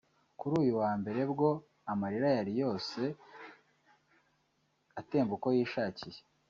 kuri uyu wa Mbere bwo amarira yari yose atemba uko yishakiye